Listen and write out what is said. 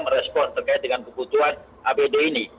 merespon terkait dengan kebutuhan apd ini